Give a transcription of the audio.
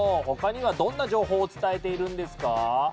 他にはどんな情報を伝えているんですか？